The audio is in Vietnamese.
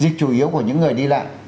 dịch chủ yếu của những người đi lại